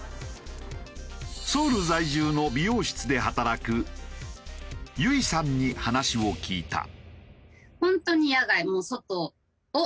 ソウル在住の美容室で働くゆいさんに話を聞いた。